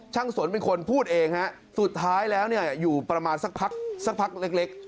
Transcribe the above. ช่างสนเป็นคนพูดเองสุดท้ายแล้วอยู่ประมาณสักพักเล็ก